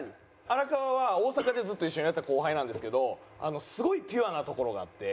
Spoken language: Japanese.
荒川は大阪でずっと一緒にやってた後輩なんですけどすごいピュアなところがあって。